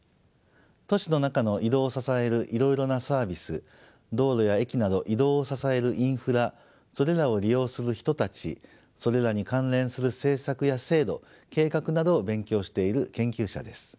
都市の中の移動を支えるいろいろなサービス道路や駅など移動を支えるインフラそれらを利用する人たちそれらに関連する政策や制度計画などを勉強している研究者です。